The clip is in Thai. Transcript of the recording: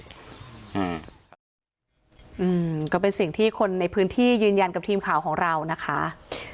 อืมก็เป็นสิ่งที่คนในพื้นที่ยืนยันกับทีมข่าวของเรานะคะ